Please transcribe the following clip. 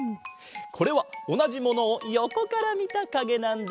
これはおなじものをよこからみたかげなんだ。